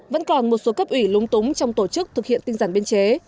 vẫn còn một số cấp ủy lung túng trong tổ chức thực hiện tinh giản biên chế